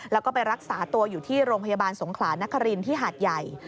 แล้วก็ไปรักษาตัวอยู่ที่โรงพยาบาลสงขลานครินที่หาดใหญ่